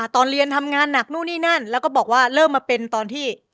ตอนเรียนทำงานหนักนู่นนี่นั่นแล้วก็บอกว่าเริ่มมาเป็นตอนที่